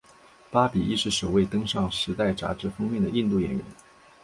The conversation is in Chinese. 巴比亦是首位登上时代杂志封面的印度演员。